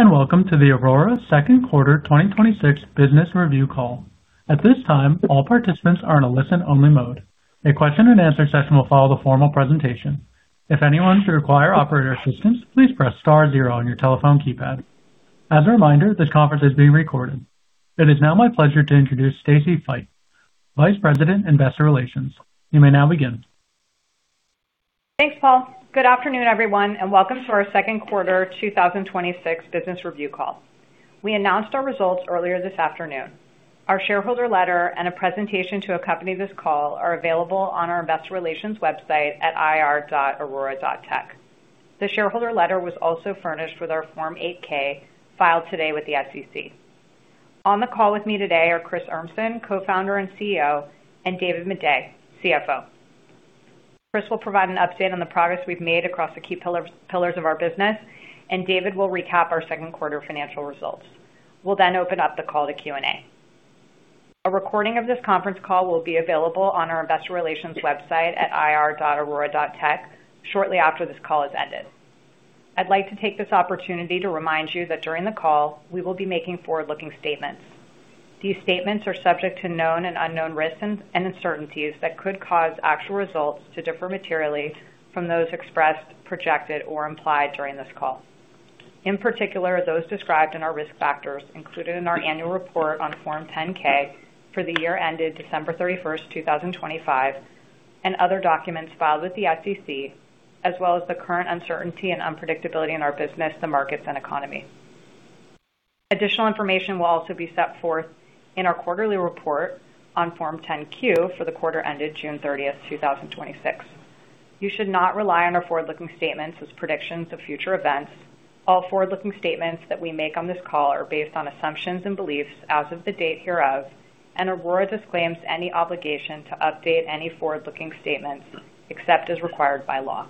Greetings, and welcome to the Aurora second quarter 2026 business review call. At this time, all participants are in a listen-only mode. A question-and-answer session will follow the formal presentation. If anyone should require operator assistance, please press star zero on your telephone keypad. As a reminder, this conference is being recorded. It is now my pleasure to introduce Stacy Feit, Vice President, Investor Relations. You may now begin. Thanks, Paul. Good afternoon, everyone, and welcome to our second quarter 2026 business review call. We announced our results earlier this afternoon. Our shareholder letter and a presentation to accompany this call are available on our investor relations website at ir.aurora.tech. The shareholder letter was also furnished with our Form 8-K filed today with the SEC. On the call with me today are Chris Urmson, Co-founder and CEO, and David Maday, CFO. Chris will provide an update on the progress we've made across the key pillars of our business, and David will recap our second quarter financial results. We will then open up the call to Q&A. A recording of this conference call will be available on our investor relations website at ir.aurora.tech shortly after this call has ended. I'd like to take this opportunity to remind you that during the call, we will be making forward-looking statements. These statements are subject to known and unknown risks and uncertainties that could cause actual results to differ materially from those expressed, projected, or implied during this call. In particular, those described in our risk factors included in our annual report on Form 10-K for the year ended December 31st, 2025, and other documents filed with the SEC, as well as the current uncertainty and unpredictability in our business, the markets, and the economy. Additional information will also be set forth in our quarterly report on Form 10-Q for the quarter ended June 30th, 2026. You should not rely on our forward-looking statements as predictions of future events. All forward-looking statements that we make on this call are based on assumptions and beliefs as of the date hereof, and Aurora disclaims any obligation to update any forward-looking statements except as required by law.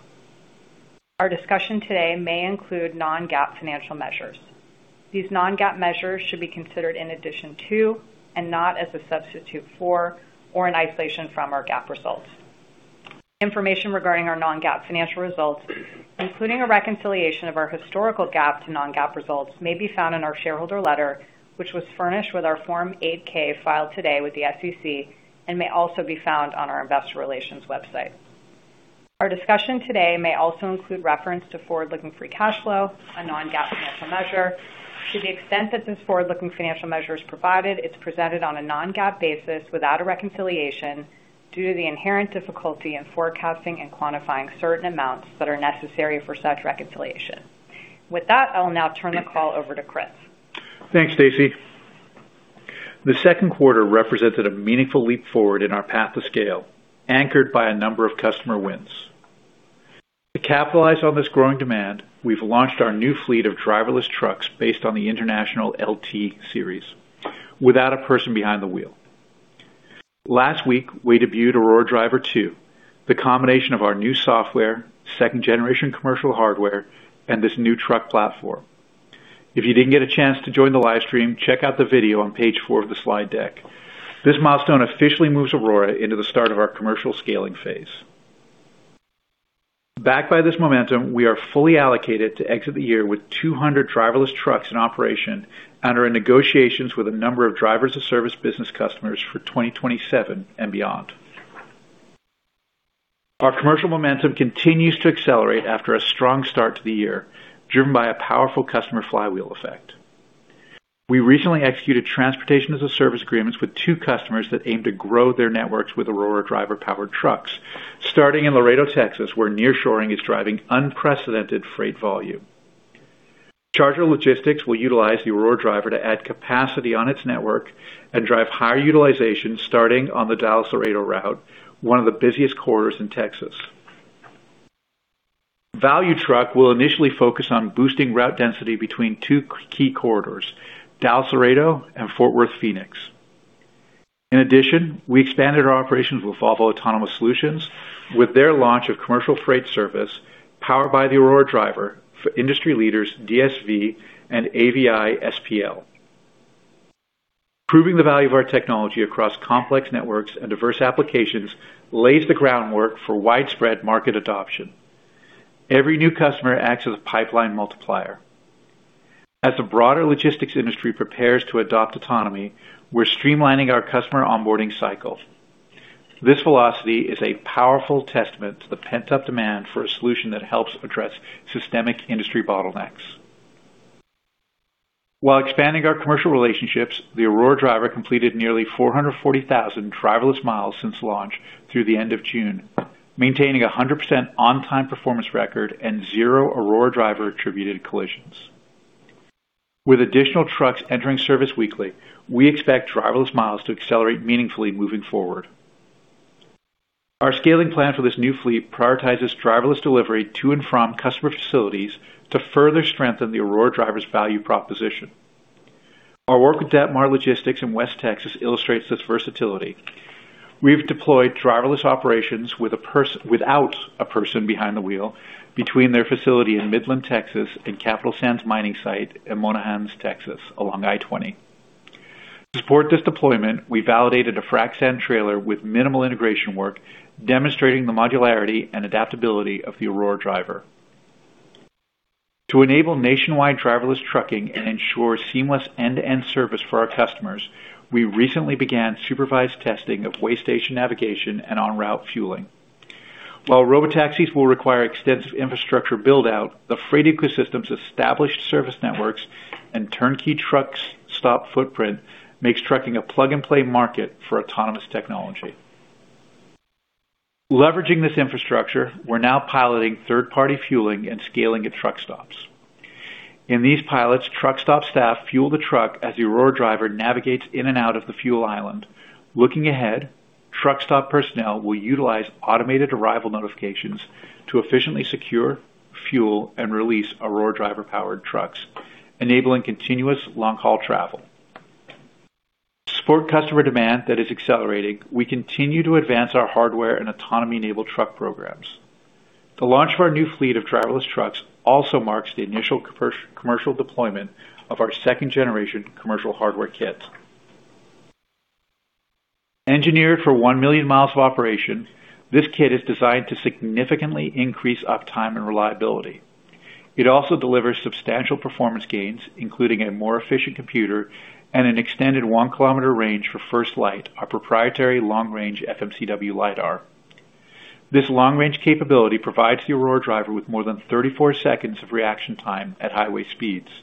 Our discussion today may include non-GAAP financial measures. These non-GAAP measures should be considered in addition to and not as a substitute for or in isolation from our GAAP results. Information regarding our non-GAAP financial results, including a reconciliation of our historical GAAP to non-GAAP results, may be found in our shareholder letter, which was furnished with our Form 8-K filed today with the SEC and may also be found on our investor relations website. Our discussion today may also include reference to forward-looking free cash flow, a non-GAAP financial measure. To the extent that this forward-looking financial measure is provided, it is presented on a non-GAAP basis without a reconciliation due to the inherent difficulty in forecasting and quantifying certain amounts that are necessary for such reconciliation. With that, I'll now turn the call over to Chris. Thanks, Stacy. The second quarter represented a meaningful leap forward in our path to scale, anchored by a number of customer wins. To capitalize on this growing demand, we've launched our new fleet of driverless trucks based on the International LT Series without a person behind the wheel. Last week, we debuted Aurora Driver 2, the combination of our new software, second-generation commercial hardware, and this new truck platform. If you didn't get a chance to join the live stream, check out the video on page four of the slide deck. This milestone officially moves Aurora into the start of our commercial scaling phase. Backed by this momentum, we are fully allocated to exit the year with 200 driverless trucks in operation and are in negotiations with a number of driverless service business customers for 2027 and beyond. Our commercial momentum continues to accelerate after a strong start to the year, driven by a powerful customer flywheel effect. We recently executed a Transportation-as-a-Service agreement with two customers that aim to grow their networks with Aurora Driver-powered trucks, starting in Laredo, Texas, where nearshoring is driving unprecedented freight volume. Charger Logistics will utilize the Aurora Driver to add capacity on its network and drive higher utilization starting on the Dallas-Laredo route, one of the busiest corridors in Texas. Value Truck will initially focus on boosting route density between two key corridors, Dallas-Laredo and Fort Worth-Phoenix. In addition, we expanded our operations with Volvo Autonomous Solutions with their launch of commercial freight service powered by the Aurora Driver for industry leaders DSV and AVI-SPL. Proving the value of our technology across complex networks and diverse applications lays the groundwork for widespread market adoption. Every new customer acts as a pipeline multiplier. As the broader logistics industry prepares to adopt autonomy, we're streamlining our customer onboarding cycle. This velocity is a powerful testament to the pent-up demand for a solution that helps address systemic industry bottlenecks. While expanding our commercial relationships, the Aurora Driver completed nearly 440,000 driverless miles since launch through the end of June, maintaining a 100% on-time performance record and zero Aurora Driver-attributed collisions. With additional trucks entering service weekly, we expect driverless miles to accelerate meaningfully moving forward. Our scaling plan for this new fleet prioritizes driverless delivery to and from customer facilities to further strengthen the Aurora Driver's value proposition. Our work with Detmar Logistics in West Texas illustrates this versatility. We've deployed driverless operations without a person behind the wheel between their facility in Midland, Texas, and the Capital Sand mining site in Monahans, Texas, along I-20. To support this deployment, we validated a frac sand trailer with minimal integration work, demonstrating the modularity and adaptability of the Aurora Driver. To enable nationwide driverless trucking and ensure seamless end-to-end service for our customers, we recently began supervised testing of way station navigation and on-route fueling. While robotaxis will require extensive infrastructure build-out, the freight ecosystem's established service networks and turnkey truck stop footprint make trucking a plug-and-play market for autonomous technology. Leveraging this infrastructure, we're now piloting third-party fueling and scaling at truck stops. In these pilots, truck stop staff fuel the truck as the Aurora Driver navigates in and out of the fuel island. Looking ahead, truck stop personnel will utilize automated arrival notifications to efficiently secure, fuel, and release Aurora Driver-powered trucks, enabling continuous long-haul travel. To support customer demand that is accelerating, we continue to advance our hardware and autonomy-enabled truck programs. The launch of our new fleet of driverless trucks also marks the initial commercial deployment of our second-generation commercial hardware kits. Engineered for 1 million miles of operation, this kit is designed to significantly increase uptime and reliability. It also delivers substantial performance gains, including a more efficient computer and an extended 1-km range for FirstLight, our proprietary long-range FMCW lidar. This long-range capability provides the Aurora Driver with more than 34 seconds of reaction time at highway speeds,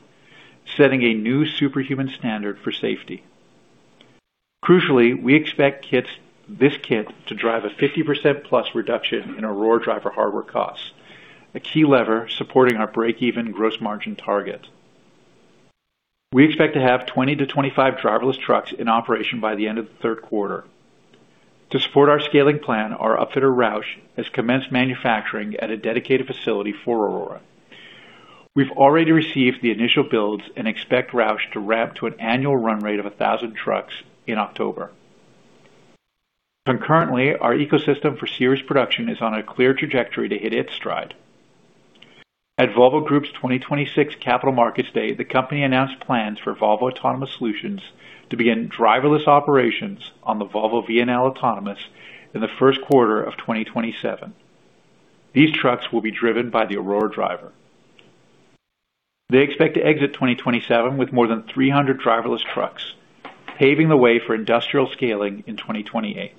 setting a new superhuman standard for safety. Crucially, we expect this kit to drive a 50%+ reduction in Aurora Driver hardware costs, a key lever supporting our breakeven gross margin target. We expect to have 20-25 driverless trucks in operation by the end of the third quarter. To support our scaling plan, our upfitter, Roush, has commenced manufacturing at a dedicated facility for Aurora. We've already received the initial builds and expect Roush to ramp to an annual run rate of 1,000 trucks in October. Concurrently, our ecosystem for series production is on a clear trajectory to hit its stride. At Volvo Group's 2026 Capital Markets Day, the company announced plans for Volvo Autonomous Solutions to begin driverless operations on the Volvo VNL Autonomous in the first quarter of 2027. These trucks will be driven by the Aurora Driver. They expect to exit 2027 with more than 300 driverless trucks, paving the way for industrial scaling in 2028.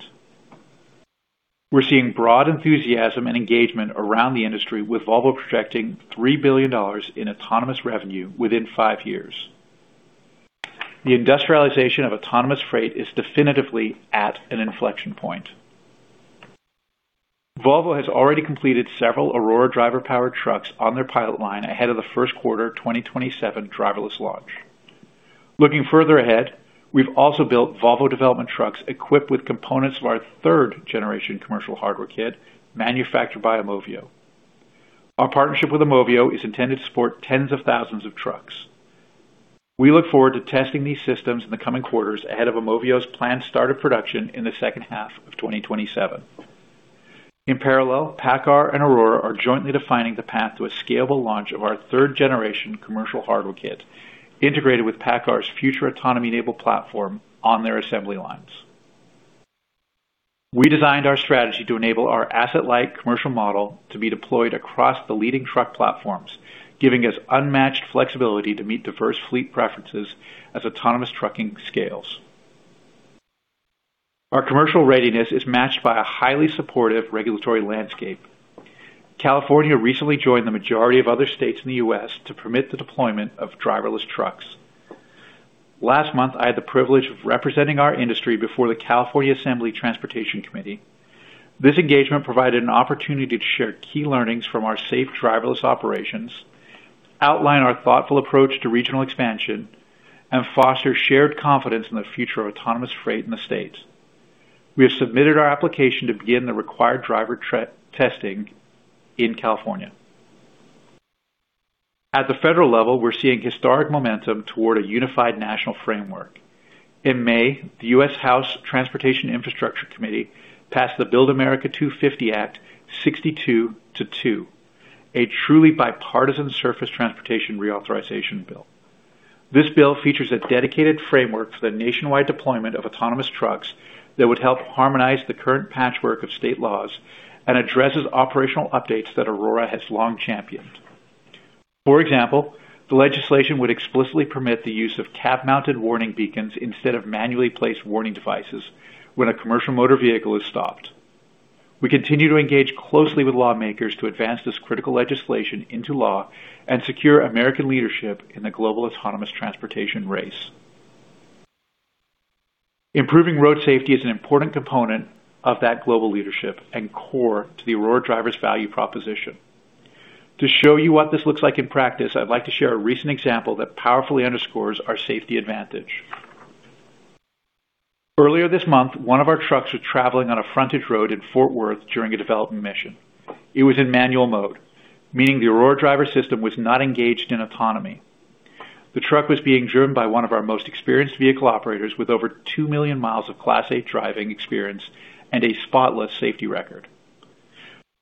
We're seeing broad enthusiasm and engagement around the industry, with Volvo projecting $3 billion in autonomous revenue within five years. The industrialization of autonomous freight is definitively at an inflection point. Volvo has already completed several Aurora Driver-powered trucks on their pilot line ahead of the first quarter 2027 driverless launch. Looking further ahead, we've also built Volvo development trucks equipped with components of our third-generation commercial hardware kit manufactured by AUMOVIO. Our partnership with AUMOVIO is intended to support tens of thousands of trucks. We look forward to testing these systems in the coming quarters ahead of AUMOVIO's planned start of production in the second half of 2027. In parallel, PACCAR and Aurora are jointly defining the path to a scalable launch of our third-generation commercial hardware kit integrated with PACCAR's future autonomy-enabled platform on their assembly lines. We designed our strategy to enable our asset-light commercial model to be deployed across the leading truck platforms, giving us unmatched flexibility to meet diverse fleet preferences as autonomous trucking scales. Our commercial readiness is matched by a highly supportive regulatory landscape. California recently joined the majority of other states in the U.S. to permit the deployment of driverless trucks. Last month, I had the privilege of representing our industry before the California Assembly Transportation Committee. This engagement provided an opportunity to share key learnings from our safe driverless operations, outline our thoughtful approach to regional expansion, and foster shared confidence in the future of autonomous freight in the state. We have submitted our application to begin the required driver testing in California. At the federal level, we're seeing historic momentum toward a unified national framework. In May, the U.S. House Committee on Transportation and Infrastructure passed the BUILD America 250 Act 62:2, a truly bipartisan surface transportation reauthorization bill. This bill features a dedicated framework for the nationwide deployment of autonomous trucks that would help harmonize the current patchwork of state laws and addresses operational updates that Aurora has long championed. For example, the legislation would explicitly permit the use of cab-mounted warning beacons instead of manually placed warning devices when a commercial motor vehicle is stopped. We continue to engage closely with lawmakers to advance this critical legislation into law and secure American leadership in the global autonomous transportation race. Improving road safety is an important component of that global leadership and core to the Aurora Driver's value proposition. To show you what this looks like in practice, I'd like to share a recent example that powerfully underscores our safety advantage. Earlier this month, one of our trucks was traveling on a frontage road in Fort Worth during a development mission. It was in manual mode, meaning the Aurora Driver system was not engaged in autonomy. The truck was being driven by one of our most experienced vehicle operators with over 2 million miles of Class 8 driving experience and a spotless safety record.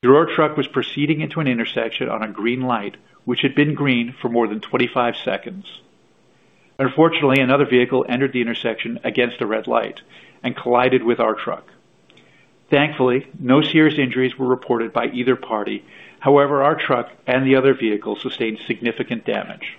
The Aurora truck was proceeding into an intersection on a green light, which had been green for more than 25 seconds. Unfortunately, another vehicle entered the intersection against a red light and collided with our truck. Thankfully, no serious injuries were reported by either party. However, our truck and the other vehicle sustained significant damage.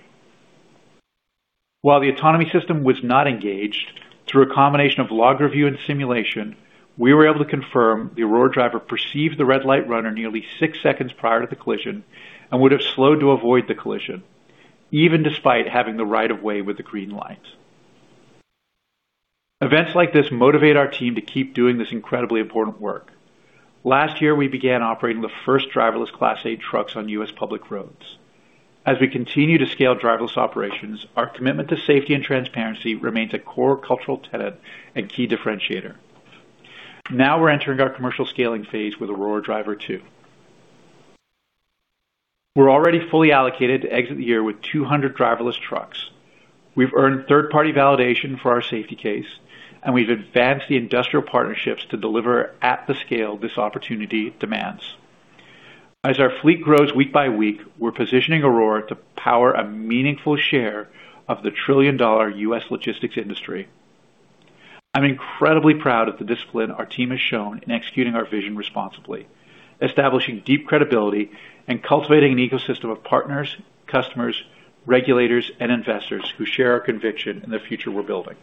While the autonomy system was not engaged, through a combination of log review and simulation, we were able to confirm the Aurora Driver perceived the red light runner nearly six seconds prior to the collision and would have slowed to avoid the collision, even despite having the right of way with the green lights. Events like this motivate our team to keep doing this incredibly important work. Last year, we began operating the first driverless Class A trucks on U.S. public roads. As we continue to scale driverless operations, our commitment to safety and transparency remains a core cultural tenet and key differentiator. We're entering our commercial scaling phase with Aurora Driver 2. We're already fully allocated to exit the year with 200 driverless trucks. We've earned third-party validation for our Safety Case. We've advanced the industrial partnerships to deliver at the scale this opportunity demands. As our fleet grows week by week, we're positioning Aurora to power a meaningful share of the trillion-dollar U.S. logistics industry. I'm incredibly proud of the discipline our team has shown in executing our vision responsibly, establishing deep credibility, and cultivating an ecosystem of partners, customers, regulators, and investors who share our conviction in the future we're building.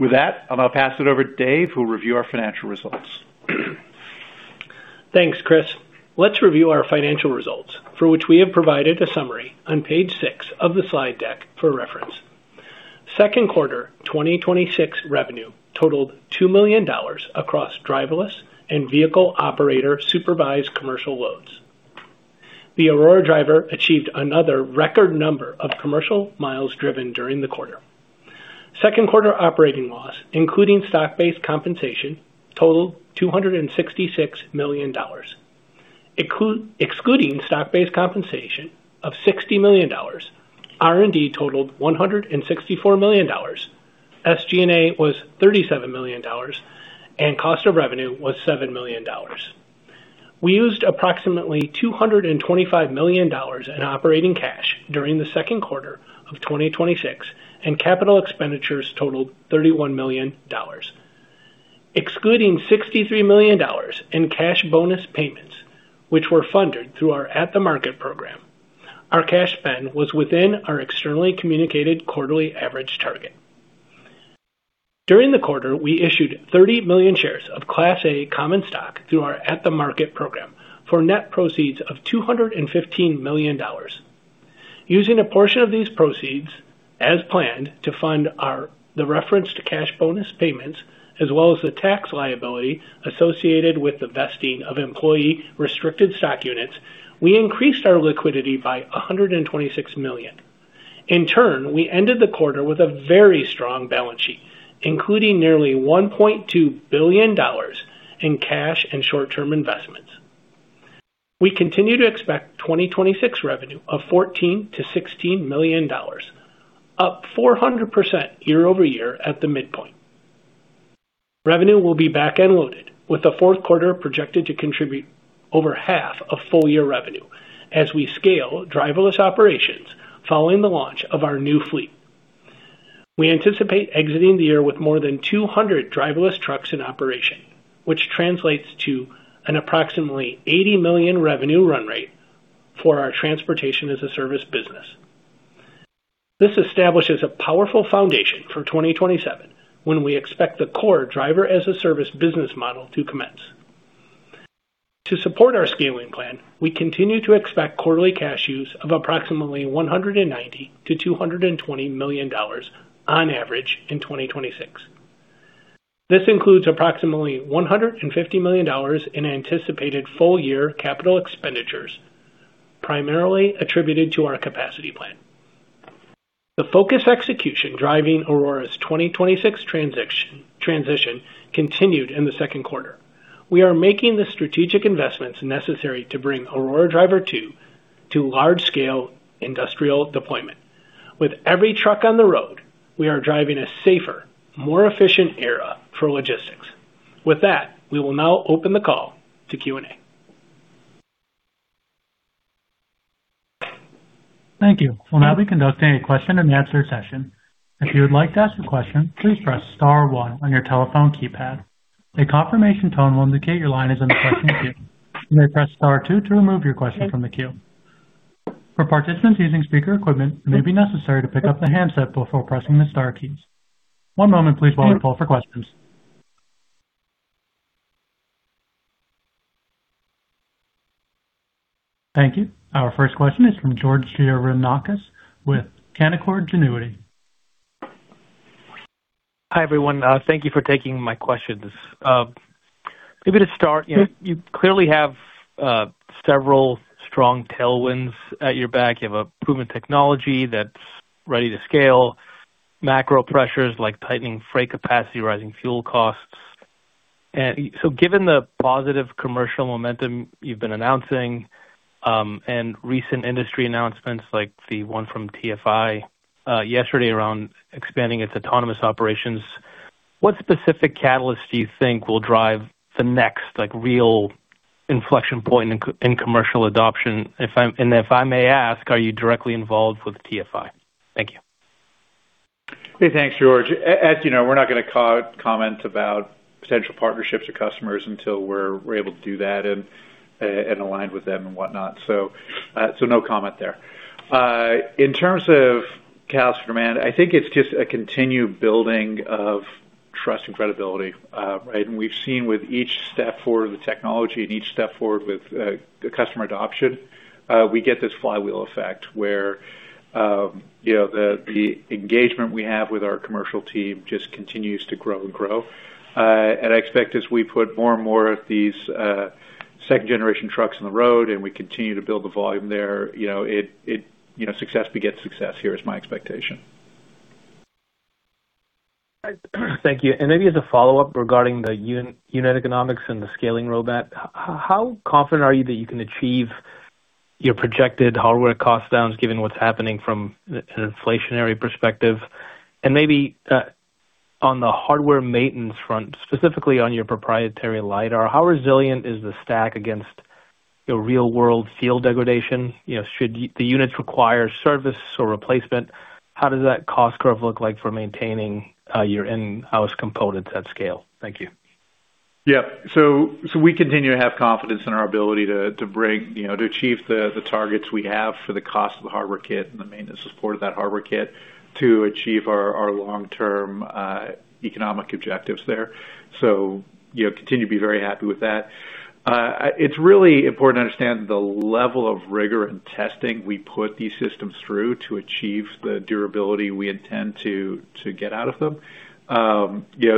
I'll now pass it over to Dave, who will review our financial results. Thanks, Chris. Let's review our financial results, for which we have provided a summary on page six of the slide deck for reference. Second quarter 2026 revenue totaled $2 million across driverless and vehicle operator-supervised commercial loads. The Aurora Driver achieved another record number of commercial miles driven during the quarter. Second quarter operating loss, including stock-based compensation, totaled $266 million. Excluding stock-based compensation of $60 million, R&D totaled $164 million, SG&A was $37 million, and cost of revenue was $7 million. We used approximately $225 million in operating cash during the second quarter of 2026, and capital expenditures totaled $31 million. Excluding $63 million in cash bonus payments, which were funded through our at-the-market program, our cash spend was within our externally communicated quarterly average target. During the quarter, we issued 30 million shares of Class A common stock through our at-the-market program for net proceeds of $215 million. Using a portion of these proceeds as planned to fund the referenced cash bonus payments, as well as the tax liability associated with the vesting of employee restricted stock units, we increased our liquidity by $126 million. We ended the quarter with a very strong balance sheet, including nearly $1.2 billion in cash and short-term investments. We continue to expect 2026 revenue of $14 million-$16 million, up 400% year-over-year at the midpoint. Revenue will be back-end loaded, with the fourth quarter projected to contribute over half of full-year revenue as we scale driverless operations following the launch of our new fleet. We anticipate exiting the year with more than 200 driverless trucks in operation, which translates to an approximately $80 million revenue run rate for our Transportation-as-a-Service business. This establishes a powerful foundation for 2027 when we expect the core Driver-as-a-Service business model to commence. To support our scaling plan, we continue to expect quarterly cash use of approximately $190 million-$220 million on average in 2026. This includes approximately $150 million in anticipated full-year capital expenditures, primarily attributed to our capacity plan. The focus execution driving Aurora's 2026 transition continued in the second quarter. We are making the strategic investments necessary to bring Aurora Driver 2 to large-scale industrial deployment. With every truck on the road, we are driving a safer, more efficient era for logistics. With that, we will now open the call to Q&A. Thank you. We'll now be conducting a question-and-answer session. If you would like to ask a question, please press star one on your telephone keypad. A confirmation tone will indicate your line is in the question queue. You may press star two to remove your question from the queue. For participants using speaker equipment, it may be necessary to pick up the handset before pressing the star keys. One moment please, while we call for questions. Thank you. Our first question is from George Gianarikas with Canaccord Genuity. Hi, everyone. Thank you for taking my questions. You clearly have several strong tailwinds at the back of approved technology that raise the scale macro pressures. Given, the positive commercial momentum you've been announcing and recent industry announcements like the one from TFI yesterday around expanding its autonomous operations. What specific catalyst do you think will drive the next real inflection point in commercial adoption? If I may ask, are you directly involved with TFI? Thank you. Hey, thanks, George. As you know, we're not going to comment about potential partnerships or customers until we're able to do that and aligned with them and whatnot. No comment there. In terms of catalyst demand, I think it's just a continued building of trust and credibility. Right? We've seen with each step forward with technology and each step forward with customer adoption, we get this flywheel effect where the engagement we have with our commercial team just continues to grow and grow. I expect as we put more and more of these second-generation trucks on the road and we continue to build the volume there, success begets success here is my expectation. Thank you. Maybe as a follow-up regarding the unit economics and the scaling roadmap, how confident are you that you can achieve your projected hardware cost-downs given what's happening from an inflationary perspective? Maybe on the hardware maintenance front, specifically on your proprietary lidar, how resilient is the stack against real-world field degradation? Should the units require service or replacement? How does that cost curve look like for maintaining your in-house components at scale? Thank you. Yeah. We continue to have confidence in our ability to achieve the targets we have for the cost of the hardware kit and the maintenance and support of that hardware kit to achieve our long-term economic objectives there. Continue to be very happy with that. It's really important to understand the level of rigor and testing we put these systems through to achieve the durability we intend to get out of them.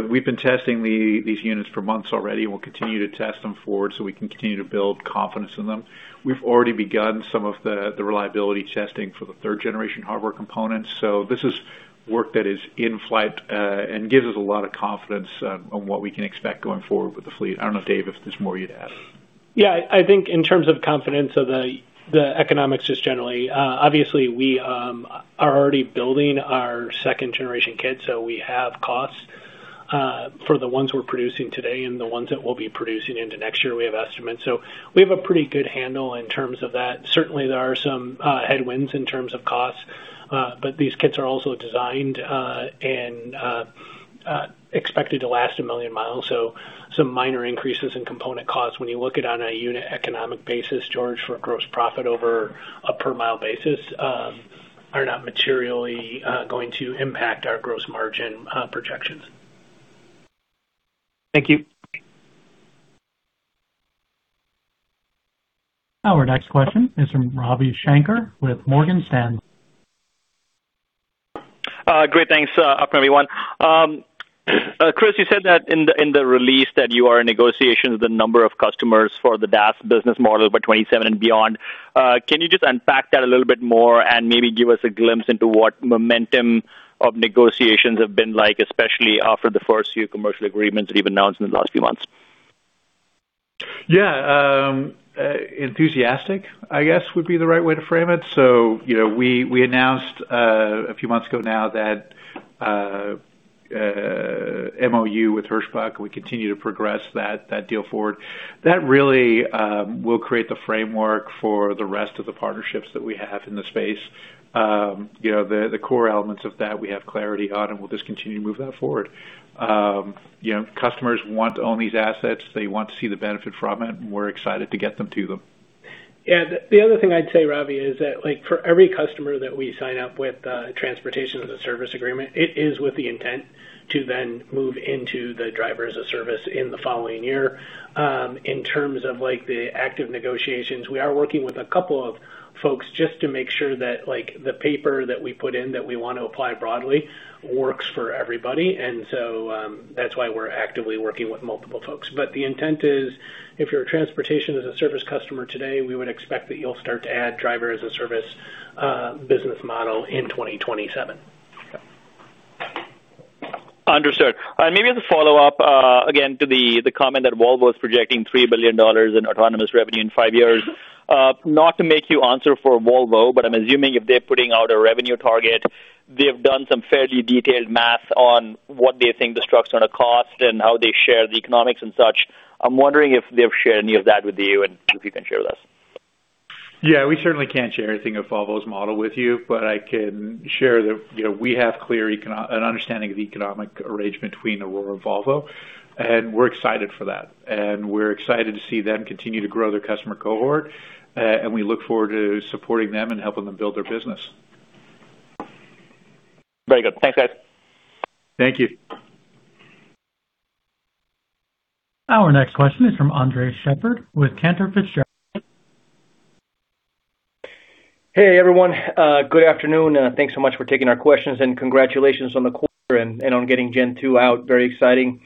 We've been testing these units for months already, and we'll continue to test them forward so we can continue to build confidence in them. We've already begun some of the reliability testing for the third-generation hardware components. This is work that is in flight and gives us a lot of confidence on what we can expect going forward with the fleet. I don't know, Dave, if there's more you'd add. Yeah, I think in terms of confidence of the economics just generally, obviously we are already building our second-generation kit. We have costs for the ones we're producing today and the ones that we'll be producing into next year, we have estimates. We have a pretty good handle in terms of that. Certainly, there are some headwinds in terms of costs, but these kits are also designed and expected to last a million miles. Some minor increases in component costs when you look at on a unit economic basis, George, for gross profit over a per-mile basis, are not materially going to impact our gross margin projections. Thank you. Our next question is from Ravi Shanker with Morgan Stanley. Great, thanks. Afternoon, everyone. Chris, you said that, in the release that you are in negotiations with a number of customers for the DaaS business model by 2027 and beyond. Can you just unpack that a little bit more and maybe give us a glimpse into what momentum of negotiations have been like, especially after the first few commercial agreements that you've announced in the last few months? Enthusiastic, I guess, would be the right way to frame it. We announced a few months ago now that MOU with Hirschbach, we continue to progress that deal forward. That really will create the framework for the rest of the partnerships that we have in the space. The core elements of that we have clarity on, and we'll just continue to move that forward. Customers want to own these assets. They want to see the benefit from it, and we're excited to get them to them. The other thing I'd say, Ravi, is that for every customer that we sign up with a Transportation-as-a-Service agreement, it is with the intent to then move into the Driver-as-a-Service in the following year. In terms of the active negotiations, we are working with a couple of folks just to make sure that the paper that we put in that we want to apply broadly works for everybody. That's why we're actively working with multiple folks. The intent is, if you're a Transportation-as-a-Service customer today, we would expect that you'll start to add a Driver-as-a-Service business model in 2027. Understood. Maybe as a follow-up, again, to the comment that Volvo is projecting $3 billion in autonomous revenue in five years. Not to make you answer for Volvo, but I'm assuming if they're putting out a revenue target, they've done some fairly detailed math on what they think the trucks are going to cost and how they share the economics and such. I'm wondering if they've shared any of that with you and if you can share with us. We certainly can't share anything of Volvo's model with you, but I can share that we have a clear understanding of the economic arrangement between Aurora and Volvo, and we're excited for that. We're excited to see them continue to grow their customer cohort, and we look forward to supporting them and helping them build their business. Very good. Thanks, guys. Thank you. Our next question is from Andres Sheppard with Cantor Fitzgerald. Hey, everyone. Good afternoon. Thanks so much for taking our questions, and congratulations on the quarter and on getting Gen-2 out. Very exciting.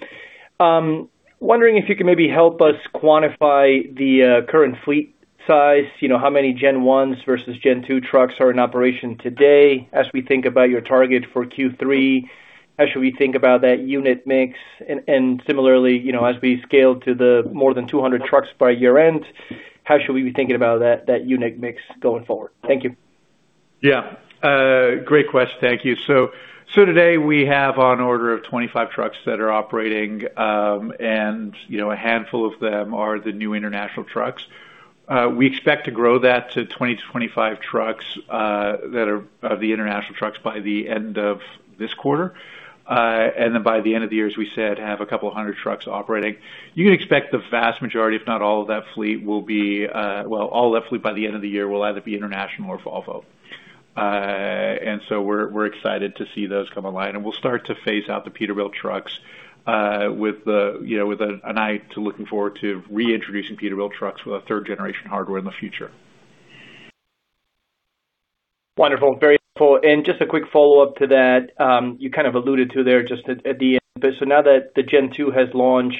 Wondering if you can maybe help us quantify the current fleet size, how many Gen-1s versus Gen-2 trucks are in operation today as we think about your target for Q3. How should we think about that unit mix? Similarly, as we scale to the more than 200 trucks by year-end, how should we be thinking about that unit mix going forward? Thank you. Yeah. Great question. Thank you. Today, we have on order of 25 trucks that are operating, and a handful of them are the new International trucks. We expect to grow that to 20-25 trucks that are of the International trucks by the end of this quarter. By the end of the year, as we said, have a couple of hundred trucks operating. You can expect the vast majority, if not all, of that fleet will be, well, all of that fleet by the end of the year will either be International or Volvo. We're excited to see those come online, and we'll start to phase out the Peterbilt trucks, with an eye to looking forward to reintroducing Peterbilt trucks with our third-generation hardware in the future. Wonderful. Very helpful. Just a quick follow-up to that. You kind of alluded to there just at the end, now that the Gen-2 has launched,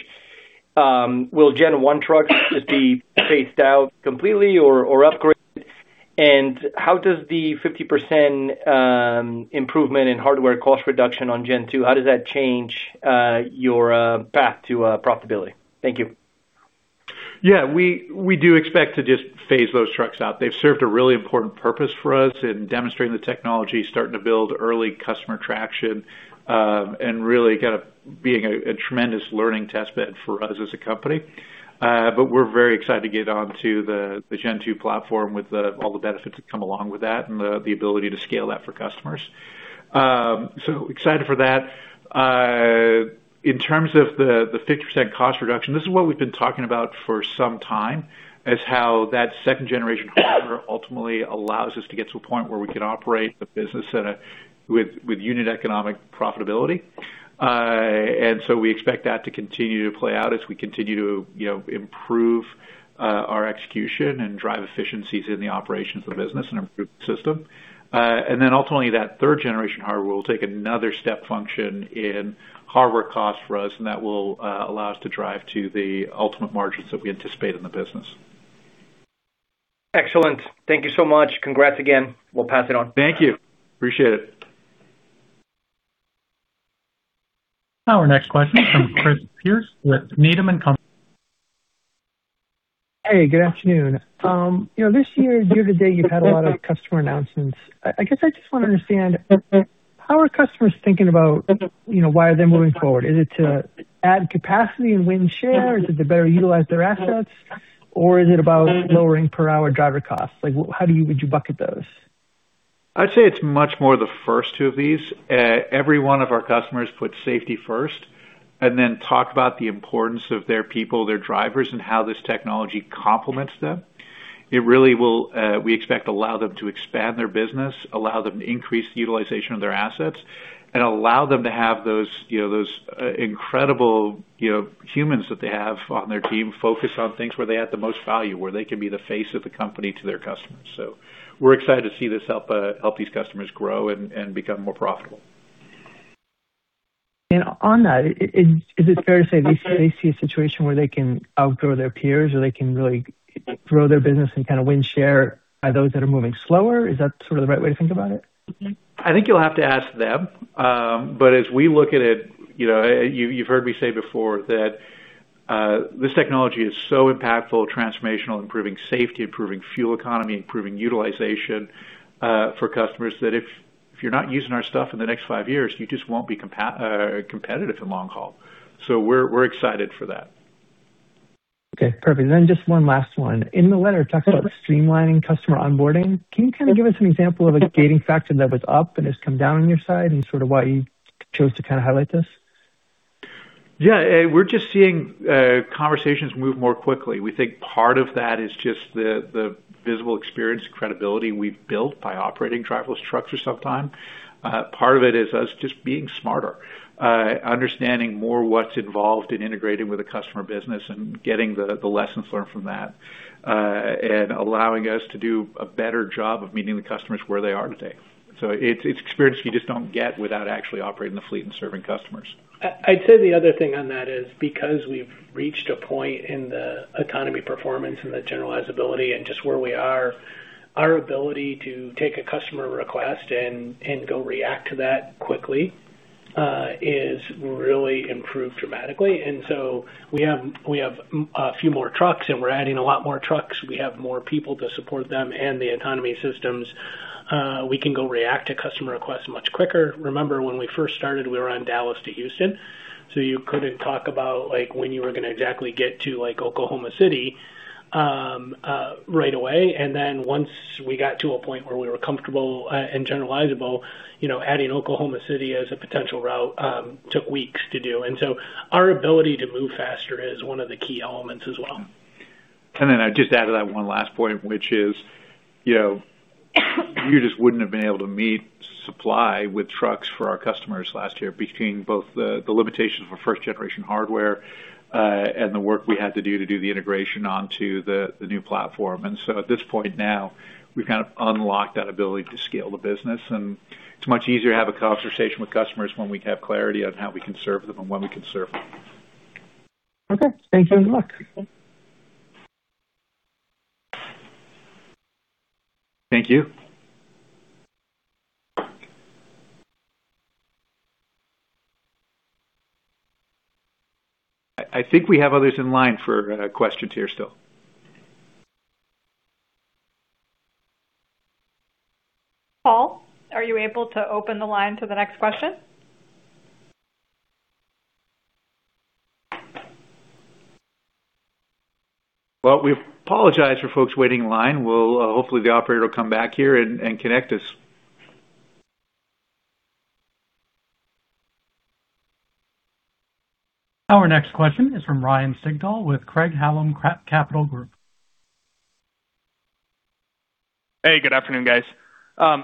will Gen-1 trucks just be phased out completely or upgraded? How does the 50% improvement in hardware cost reduction on Gen-2, how does that change your path to profitability? Thank you. Yeah, we do expect to just phase those trucks out. They've served a really important purpose for us in demonstrating the technology, starting to build early customer traction, and really kind of being a tremendous learning test bed for us as a company. We're very excited to get on to the Gen-2 platform with all the benefits that come along with that and the ability to scale that for customers. Excited for that. In terms of the 50% cost reduction, this is what we've been talking about for some time, is how that second-generation hardware ultimately allows us to get to a point where we can operate the business with unit economic profitability. We expect that to continue to play out as we continue to improve our execution and drive efficiencies in the operations of the business and improve the system. Ultimately, that third-generation hardware will take another step function in hardware cost for us, and that will allow us to drive to the ultimate margins that we anticipate in the business. Excellent. Thank you so much. Congrats again. We'll pass it on. Thank you. Appreciate it. Our next question comes from Chris Pierce with Needham & Company. Good afternoon. This year-to-date, you've had a lot of customer announcements. I guess I just want to understand: how are customers thinking about why they're moving forward? Is it to add capacity and win share? Is it to better utilize their assets? Is it about lowering per-hour driver costs? Like, how would you bucket those? I'd say it's much more the first two of these. Every one of our customers puts safety first and then talks about the importance of their people, their drivers, and how this technology complements them. It really will, we expect, allow them to expand their business, allow them to increase the utilization of their assets, and allow them to have those incredible humans that they have on their team focus on things where they add the most value, where they can be the face of the company to their customers. We're excited to see this help these customers grow and become more profitable. On that, is it fair to say they see a situation where they can outgrow their peers, or they can really grow their business and kind of win share by those that are moving slower? Is that sort of the right way to think about it? I think you'll have to ask them. As we look at it, you've heard me say before that this technology is so impactful, transformational, improving safety, improving fuel economy, improving utilization, for customers, that if you're not using our stuff in the next five years, you just won't be competitive in long haul. We're excited for that. Okay, perfect. Just one last one. In the letter, it talks about streamlining customer onboarding. Can you kind of give us an example of a gating factor that was up and has come down on your side and sort of why you chose to kind of highlight this? Yeah. We're just seeing conversations move more quickly. We think part of that is just the visible experience and credibility we've built by operating driverless trucks for some time. Part of it is us just being smarter, understanding more what's involved in integrating with a customer business and getting the lessons learned from that, and allowing us to do a better job of meeting the customers where they are today. It's experience you just don't get without actually operating the fleet and serving customers. I'd say the other thing on that is because we've reached a point in the economy, performance, and the generalizability and just where we are, our ability to take a customer request and go react to that quickly, is really improved dramatically. We have a few more trucks, and we're adding a lot more trucks. We have more people to support them and the autonomy systems. We can go react to customer requests much quicker. Remember when we first started, we were on Dallas to Houston. You couldn't talk about when you were going to exactly get to Oklahoma City right away. Once we got to a point where we were comfortable and generalizable, adding Oklahoma City as a potential route took weeks to do. Our ability to move faster is one of the key elements as well. I'd just add to that one last point, which is you just wouldn't have been able to meet supply with trucks for our customers last year between both the limitations for first-generation hardware and the work we had to do to do the integration onto the new platform. At this point now, we've kind of unlocked that ability to scale the business, and it's much easier to have a conversation with customers when we have clarity on how we can serve them and when we can serve them. Okay. Thank you very much. Thank you. I think we have others in line for questions here still. Paul, are you able to open the line to the next question? Well, we apologize for folks waiting in line. Hopefully, the operator will come back here and connect us. Our next question is from Ryan Sigdahl with Craig-Hallum Capital Group. Hey, good afternoon, guys.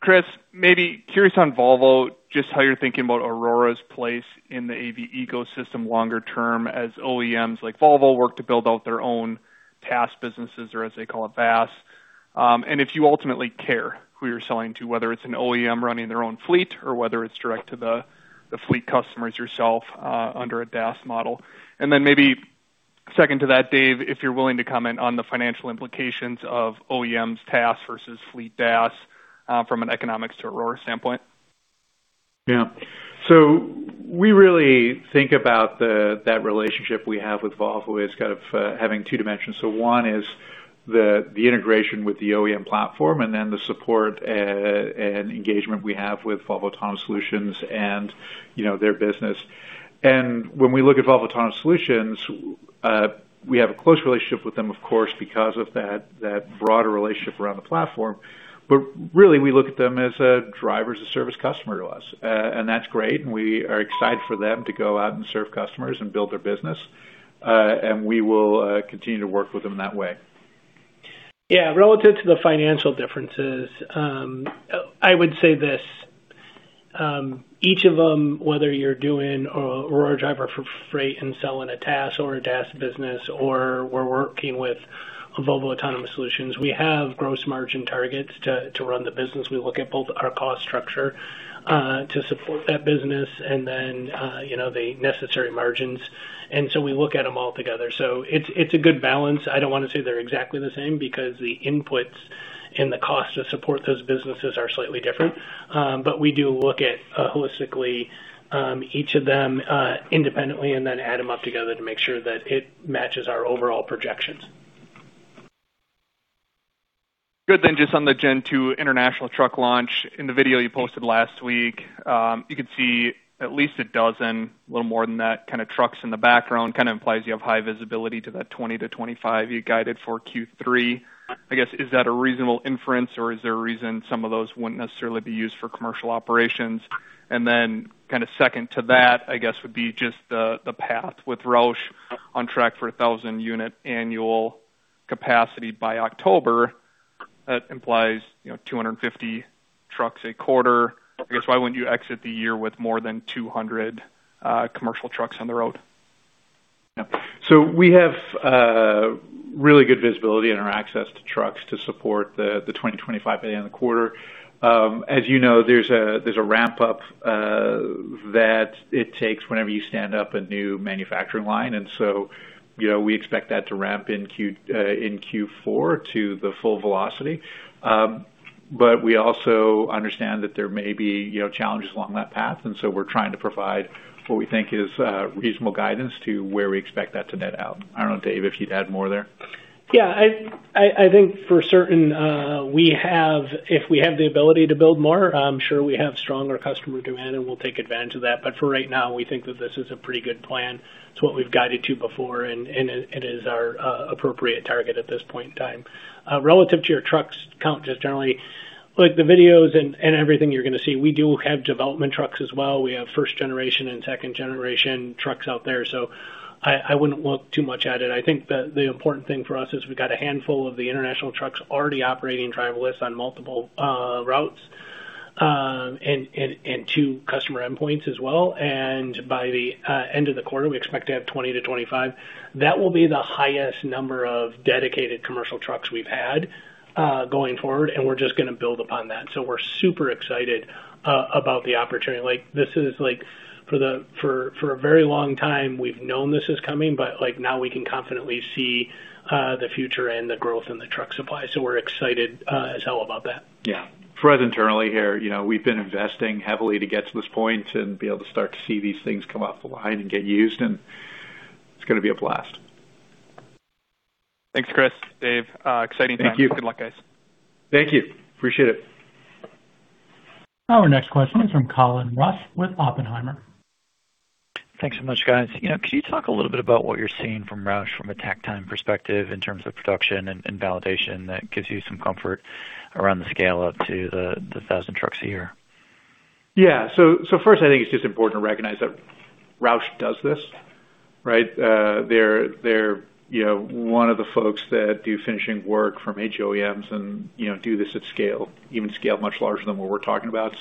Chris, maybe curious on Volvo, just how you're thinking about Aurora's place in the AV ecosystem longer term as OEMs like Volvo work to build out their own TaaS businesses, or as they call it, BaaS. If you ultimately care who you're selling to, whether it's an OEM running their own fleet or whether it's direct to the fleet customers yourself under a DaaS model. Then maybe second to that, Dave, if you're willing to comment on the financial implications of OEMs TaaS versus fleet DaaS from an economics to Aurora standpoint. Yeah. We really think about that relationship we have with Volvo as kind of having two dimensions. One is the integration with the OEM platform and then the support and engagement we have with Volvo Autonomous Solutions and their business. When we look at Volvo Autonomous Solutions, we have a close relationship with them, of course, because of that broader relationship around the platform. Really, we look at them as a Driver-as-a-Service customer to us. That's great, and we are excited for them to go out and serve customers and build their business. We will continue to work with them that way. Yeah, relative to the financial differences, I would say this. Each of them, whether you're doing Aurora Driver for Freight and selling a TaaS or a DaaS business, or we're working with Volvo Autonomous Solutions, we have gross margin targets to run the business. We look at both our cost structure to support that business and then the necessary margins. We look at them all together. It's a good balance. I don't want to say they're exactly the same, because the inputs and the cost to support those businesses are slightly different. We do look at each of them holistically independently and then add them up together to make sure that it matches our overall projections. Good. Just on the Gen-2 International truck launch, in the video you posted last week, you could see at least a dozen, a little more than that, kind of trucks in the background. Implies you have high visibility to that 20-25 you guided for Q3. I guess, is that a reasonable inference, or is there a reason some of those wouldn't necessarily be used for commercial operations? Second to that, I guess, would be just the path with Roush on track for 1,000 unit annual capacity by October. That implies 250 trucks a quarter. I guess, why wouldn't you exit the year with more than 200 commercial trucks on the road? Yeah. We have really good visibility in our access to trucks to support the $20 million-$25 million in the quarter. As you know, there's a ramp-up that it takes whenever you stand up a new manufacturing line. We expect that to ramp in Q4 to the full velocity. We also understand that there may be challenges along that path. We're trying to provide what we think is reasonable guidance to where we expect that to net out. I don't know, Dave, if you'd add more there. I think for certain, if we have the ability to build more, I'm sure we have stronger customer demand. We'll take advantage of that. For right now, we think that this is a pretty good plan. It's what we've guided to before. It is our appropriate target at this point in time. Relative to your truck count, just generally, like the videos and everything you're going to see, we do have development trucks as well. We have first-generation and second-generation trucks out there. I wouldn't look too much at it. I think that the important thing for us is we've got a handful of the International trucks already operating driverless on multiple routes, two customer endpoints as well. By the end of the quarter, we expect to have 20-25. That will be the highest number of dedicated commercial trucks we've had going forward. We're just going to build upon that. We're super excited about the opportunity. For a very long time, we've known this is coming. Now we can confidently see the future and the growth in the truck supply. We're excited as hell about that. Yeah. For us internally here, we've been investing heavily to get to this point and be able to start to see these things come off the line and get used, and it's going to be a blast. Thanks, Chris, Dave. Exciting times. Thank you. Good luck, guys. Thank you. Appreciate it. Our next question is from Colin Rusch with Oppenheimer. Thanks so much, guys. Could you talk a little bit about what you're seeing from Roush from a tack time perspective in terms of production and validation that gives you some comfort around the scale-up to the 1,000 trucks a year? Yeah. First, I think it's just important to recognize that Roush does this, right? They're one of the folks that do finishing work from OEMs and do this at scale, even at a scale much larger than what we're talking about.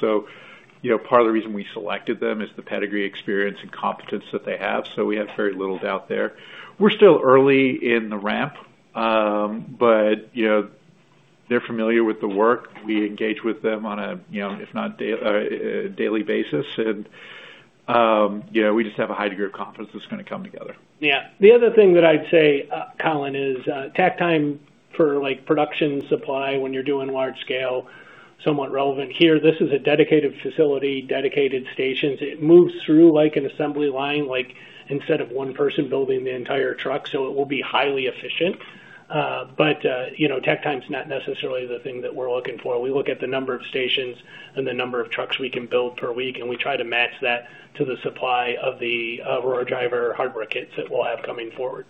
Part of the reason we selected them is the pedigree, experience, and competence that they have. We have very little doubt there. We're still early in the ramp. They're familiar with the work. We engage with them on a, if not a daily basis. We just have a high degree of confidence it's going to come together. Yeah. The other thing that I'd say, Colin, is tack time for production supply when you're doing large-scale, somewhat relevant here. This is a dedicated facility, dedicated stations. It moves through like an assembly line, instead of one person building the entire truck, so it will be highly efficient. Tack time's not necessarily the thing that we're looking for. We look at the number of stations and the number of trucks we can build per week, and we try to match that to the supply of the Aurora Driver hardware kits that we'll have coming forward.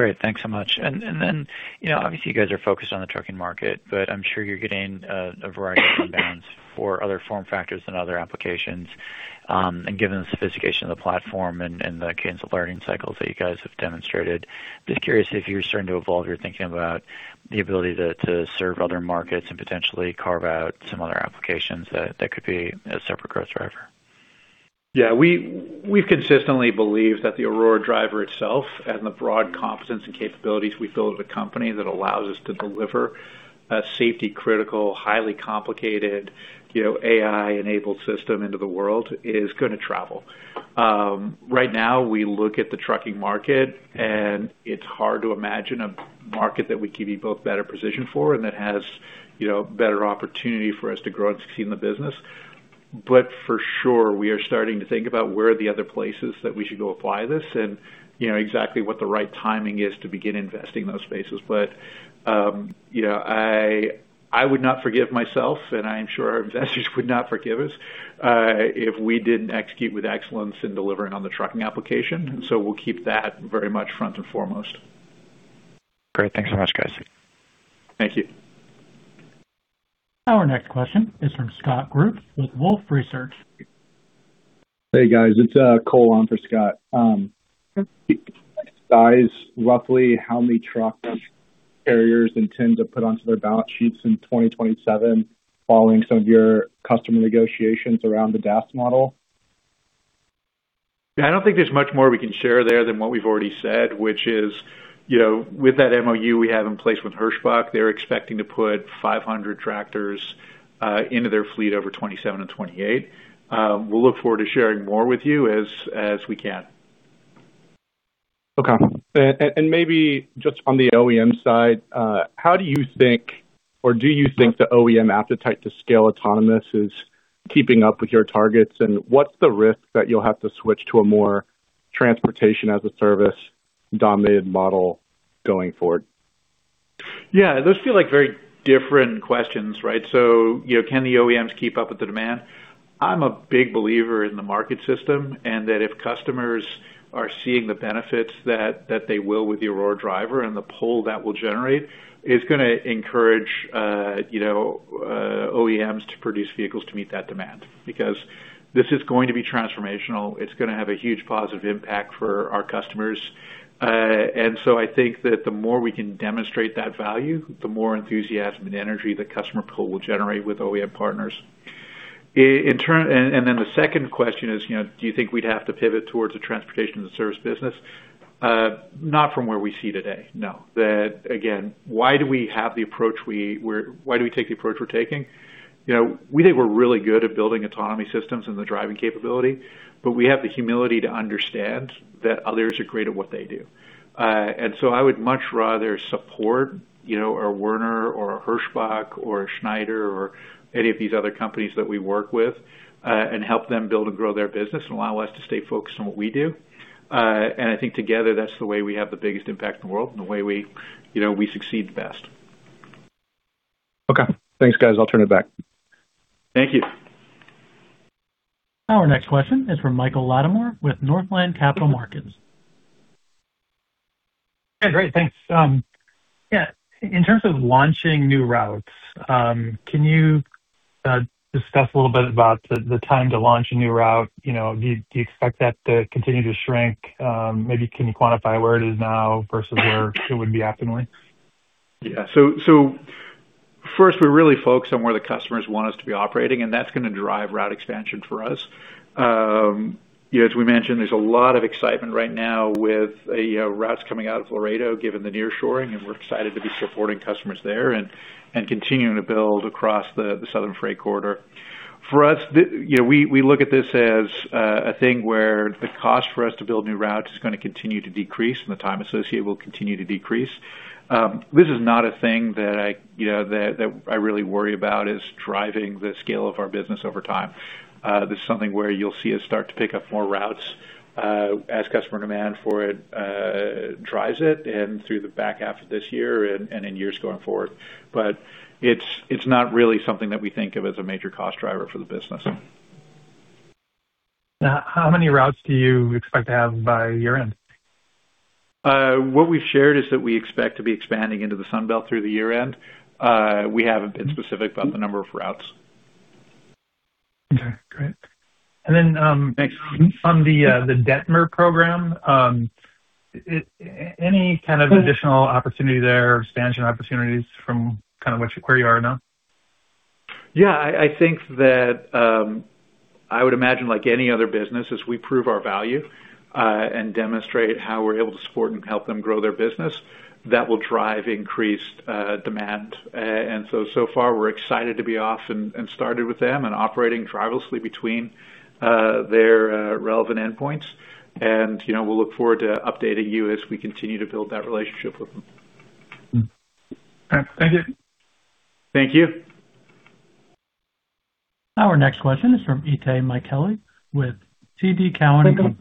Great. Thanks so much. Obviously, you guys are focused on the trucking market, but I'm sure you're getting a variety of inbound for other form factors and other applications. Given the sophistication of the platform and the kinds of learning cycles that you guys have demonstrated, just curious if you're starting to evolve your thinking about the ability to serve other markets and potentially carve out some other applications that could be a separate growth driver. Yeah. We've consistently believed that the Aurora Driver itself and the broad competence and capabilities we've built as a company that allow us to deliver a safety-critical, highly complicated, AI-enabled system into the world is going to travel. Right now, we look at the trucking market, and it's hard to imagine a market that we could be both better positioned for and that has better opportunity for us to grow and succeed in the business. For sure, we are starting to think about where the other places that we should go apply this and exactly what the right timing is to begin investing in those spaces. I would not forgive myself, and I am sure our investors would not forgive us, if we didn't execute with excellence in delivering on the trucking application. We'll keep that very much front and foremost. Great. Thanks so much, guys. Thank you. Our next question is from Scott Group with Wolfe Research. Hey, guys. It's Cole on for Scott. Can you size roughly how many trucks carriers intend to put onto their balance sheets in 2027 following some of your customer negotiations around the DaaS model? Yeah, I don't think there's much more we can share there than what we've already said, which is, with that MOU we have in place with Hirschbach, they're expecting to put 500 tractors into their fleet over 2027 and 2028. We'll look forward to sharing more with you as we can. Maybe just on the OEM side, how do you think, or do you think the OEM appetite to scale autonomous is keeping up with your targets? What's the risk that you'll have to switch to a more Transportation-as-a-Service dominated model going forward? Yeah, those feel like very different questions. Can the OEMs keep up with the demand? I'm a big believer in the market system, and that if customers are seeing the benefits that they will with the Aurora Driver and the pull that will generate, it's going to encourage OEMs to produce vehicles to meet that demand. This is going to be transformational. It's going to have a huge positive impact for our customers. I think that the more we can demonstrate that value, the more enthusiasm and energy the customer pull will generate with OEM partners. The second question is, do you think we'd have to pivot towards a Transportation-as-a-Service business? Not from where we see today, no. Again, why do we take the approach we're taking? We think we're really good at building autonomy systems and the driving capability, but we have the humility to understand that others are great at what they do. I would much rather support a Werner or a Hirschbach or a Schneider or any of these other companies that we work with, and help them build and grow their business and allow us to stay focused on what we do. I think together, that's the way we have the biggest impact in the world and the way we succeed the best. Okay. Thanks, guys. I'll turn it back. Thank you. Our next question is from Michael Latimore with Northland Capital Markets. Yeah, great. Thanks. In terms of launching new routes, can you discuss a little bit about the time to launch a new route? Do you expect that to continue to shrink? Maybe can you quantify where it is now versus where it would be optimally? Yeah. First, we're really focused on where the customers want us to be operating, and that's going to drive route expansion for us. As we mentioned, there's a lot of excitement right now with routes coming out of Laredo given the nearshoring, and we're excited to be supporting customers there and continuing to build across the Southern Freight Corridor. For us, we look at this as a thing where the cost for us to build new routes is going to continue to decrease and the time associated will continue to decrease. This is not a thing that I really worry about as driving the scale of our business over time. This is something where you'll see us start to pick up more routes as customer demand for it drives it, and through the back half of this year and in years going forward. It's not really something that we think of as a major cost driver for the business. How many routes do you expect to have by year-end? What we've shared is that we expect to be expanding into the Sun Belt through the year-end. We haven't been specific about the number of routes. Okay, great. Thanks. Then, on the Detmar program, any kind of additional opportunity there or expansion opportunities from where you are now? Yeah, I think that I would imagine, like any other business, as we prove our value and demonstrate how we're able to support and help them grow their business, that will drive increased demand. So far, we're excited to be off and started with them and operating driverlessly between their relevant endpoints. We'll look forward to updating you as we continue to build that relationship with them. Okay. Thank you. Thank you. Our next question is from Itay Michaeli with TD Cowen.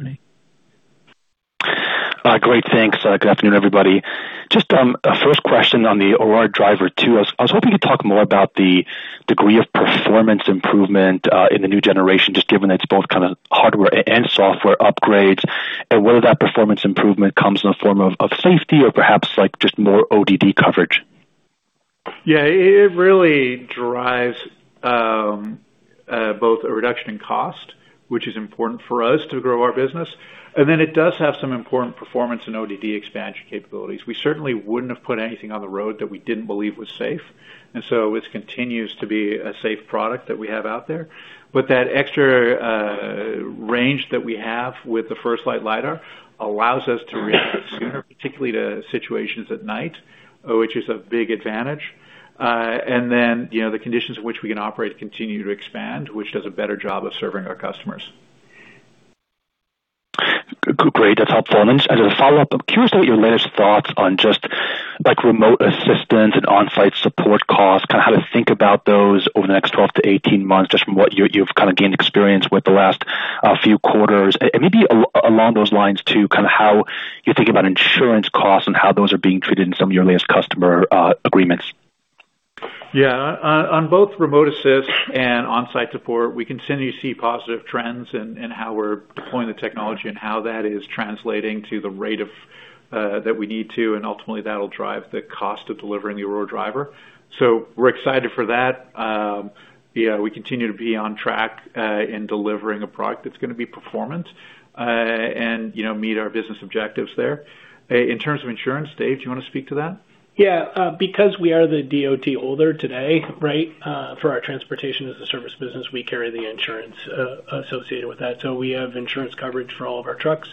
Great. Thanks. Good afternoon, everybody. Just a first question on the Aurora Driver 2. I was hoping you'd talk more about the degree of performance improvement in the new generation, just given it's both kind of hardware and software upgrades. Whether that performance improvement comes in the form of safety or perhaps just more ODD coverage. Yeah, it really drives both a reduction in cost, which is important for us to grow our business. It does have some important performance in ODD expansion capabilities. We certainly wouldn't have put anything on the road that we didn't believe was safe. So it continues to be a safe product that we have out there. But that extra range that we have with the FirstLight lidar allows us to reach sooner, particularly to situations at night, which is a big advantage. The conditions in which we can operate continue to expand, which does a better job of serving our customers. Great. That's helpful. As a follow-up, I'm curious about your latest thoughts on just remote assistance and on-site support costs, how to think about those over the next 12-18 months, just from what you've kind of gained experience with the last few quarters. Maybe along those lines, too, how you think about insurance costs and how those are being treated in some of your latest customer agreements. Yeah. On both remote assist and on-site support, we continue to see positive trends in how we're deploying the technology and how that is translating to the rate that we need to, and ultimately that will drive the cost of delivering the Aurora Driver. We are excited for that. We continue to be on track in delivering a product that's going to be performant and meet our business objectives there. In terms of insurance, Dave, do you want to speak to that? Yeah. Because we are the DOT holder today for our Transportation-as-a-Service business, we carry the insurance associated with that. We have insurance coverage for all of our trucks.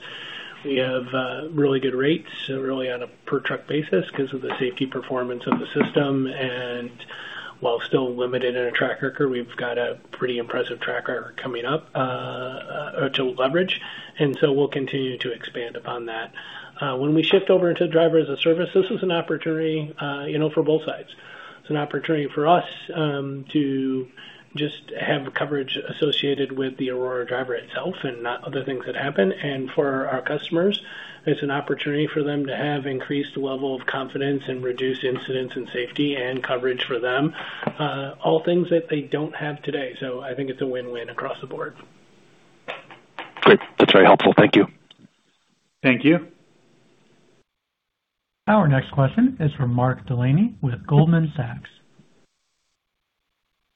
We have really good rates, really on a per-truck basis because of the safety performance of the system. While still limited in a track record, we've got a pretty impressive track record coming up to leverage. We will continue to expand upon that. When we shift over into Driver-as-a-Service, this is an opportunity for both sides. It's an opportunity for us to just have coverage associated with the Aurora Driver itself and not other things that happen. For our customers, it's an opportunity for them to have an increased level of confidence and reduce incidents in safety and coverage for them. All things that they don't have today. I think it's a win-win across the board. Great. That's very helpful. Thank you. Thank you. Our next question is from Mark Delaney with Goldman Sachs.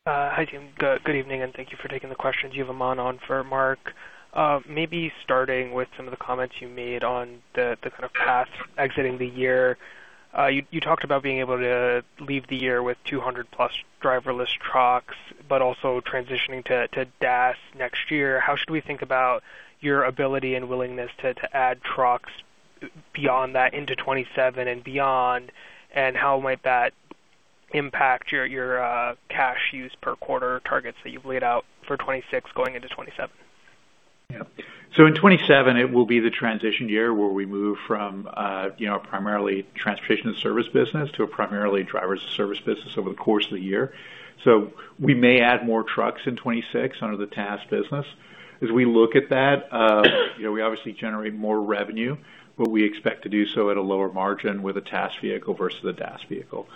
Hi, team. Good evening. Thank you for taking the questions. You have Aman on for Mark. Maybe starting with some of the comments you made on the kind of path exiting the year. You talked about being able to leave the year with 200+ driverless trucks, also transitioning to DAS next year. How should we think about your ability and willingness to add trucks beyond that into 2027 and beyond? How might that impact your cash use per quarter targets that you've laid out for 2026 going into 2027? In 2027, it will be the transition year where we move from primarily Transportation-as-a-Service business to a primarily Driver-as-a-Service business over the course of the year. We may add more trucks in 2026 under the TaaS business. As we look at that, we obviously generate more revenue, we expect to do so at a lower margin with a TaaS vehicle versus a DaaS vehicle.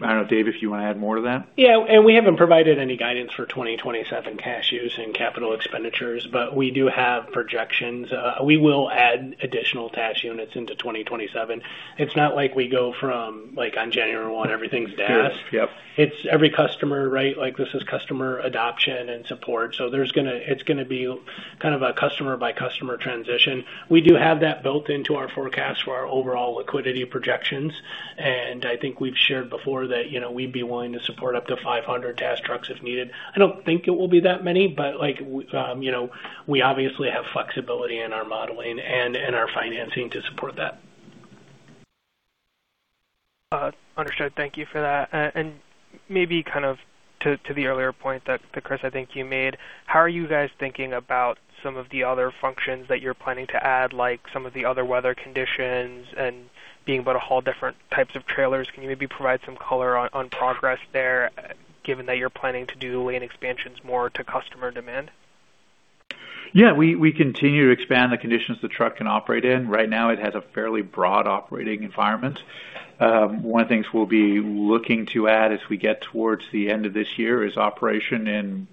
I don't know, Dave, if you want to add more to that. Yeah, we haven't provided any guidance for 2027 cash use and capital expenditures, but we do have projections. We will add additional TaaS units into 2027. It's not like we go from on January 1, everything's DaaS. Yeah. It's every customer. This is customer adoption and support. It's going to be a customer-by-customer transition. We do have that built into our forecast for our overall liquidity projections. I think we've shared before that we'd be willing to support up to 500 TaaS trucks if needed. I don't think it will be that many, but we obviously have flexibility in our modeling and in our financing to support that. Understood. Thank you for that. Maybe to the earlier point that, Chris, I think you made, how are you guys thinking about some of the other functions that you're planning to add, like some of the other weather conditions and being able to haul different types of trailers? Can you maybe provide some color on progress there, given that you're planning to do lane expansions more to customer demand? Yeah. We continue to expand the conditions the truck can operate in. Right now, it has a fairly broad operating environment. One of the things we'll be looking to add as we get towards the end of this year is operation in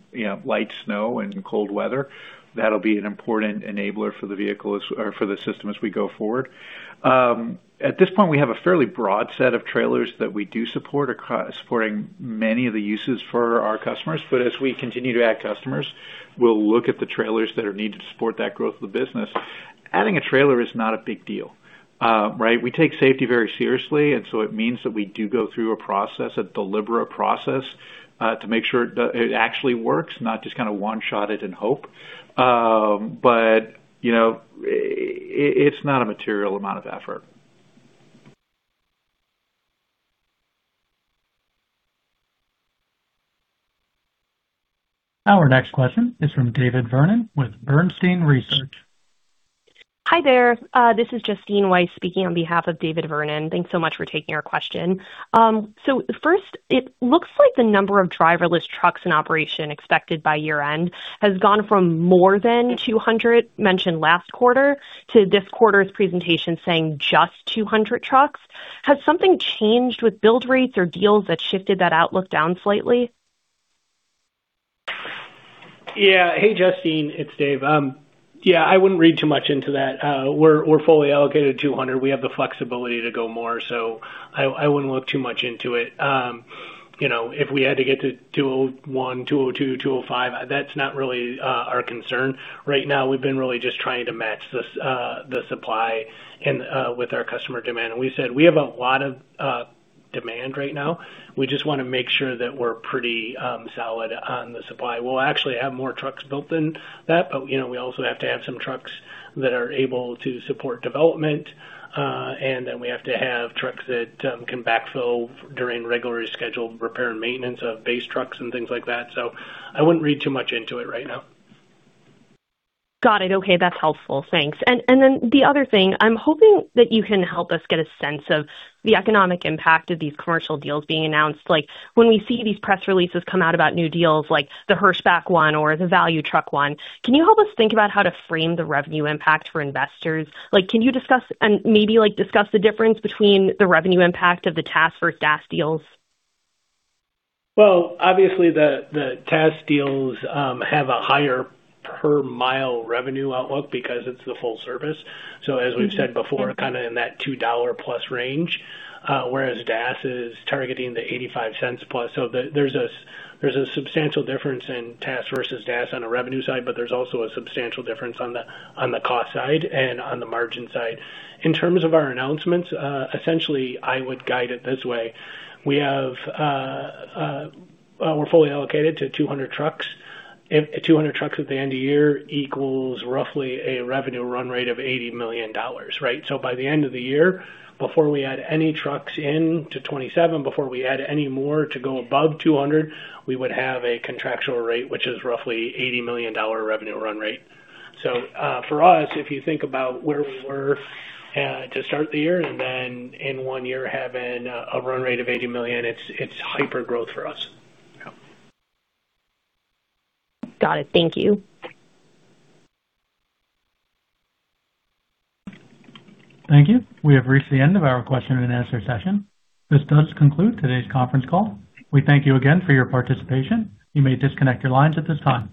light snow and cold weather. That'll be an important enabler for the system as we go forward. At this point, we have a fairly broad set of trailers that we do support, supporting many of the uses for our customers. As we continue to add customers, we'll look at the trailers that are needed to support that growth of the business. Adding a trailer is not a big deal. We take safety very seriously. It means that we do go through a process, a deliberate process, to make sure it actually works, not just kind of one-shot it and hope. It's not a material amount of effort. Our next question is from David Vernon with Bernstein Research. Hi there. This is Justine Weiss speaking on behalf of David Vernon. Thanks so much for taking our question. First, it looks like the number of driverless trucks in operation expected by year-end has gone from more than 200 trucks mentioned last quarter to this quarter's presentation saying just 200 trucks. Has something changed with build rates or deals that shifted that outlook down slightly? Hey, Justine. It's Dave. I wouldn't read too much into that. We're fully allocated at 200. We have the flexibility to go more. I wouldn't look too much into it. If we had to get to 201, 202, 205, that's not really our concern right now. We've been really just trying to match the supply with our customer demand. We said we have a lot of demand right now. We just want to make sure that we're pretty solid on the supply. We'll actually have more trucks built than that, but we also have to have some trucks that are able to support development. Then we have to have trucks that can backfill during regularly scheduled repair and maintenance of base trucks and things like that. I wouldn't read too much into it right now. Got it. Okay, that's helpful. Thanks. Then the other thing, I'm hoping that you can help us get a sense of the economic impact of these commercial deals being announced. When we see these press releases come out about new deals like the Hirschbach one or the Value Truck one, can you help us think about how to frame the revenue impact for investors? Can you discuss, and maybe discuss the difference between the revenue impact of the TaaS versus DaaS deals? Well, obviously the TaaS deals have a higher per-mile revenue outlook because it's the full service. As we've said before, kind of in that $2+ range, whereas DaaS is targeting the $0.85+. There's a substantial difference in TaaS versus DaaS on the revenue side, but there's also a substantial difference on the cost side and on the margin side. In terms of our announcements, essentially, I would guide it this way. We're fully allocated to 200 trucks. 200 trucks at the end of the year equals roughly a revenue run rate of $80 million. By the end of the year, before we add any trucks into 2027, before we add any more to go above 200, we would have a contractual rate, which is roughly $80 million revenue run rate. For us, if you think about where we were to start the year and then in one year having a run rate of $80 million, it's hyper-growth for us. Got it. Thank you. Thank you. We have reached the end of our question-and-answer session. This does conclude today's conference call. We thank you again for your participation. You may disconnect your lines at this time.